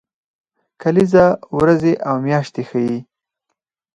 کلیزه ورځې او میاشتې ښيي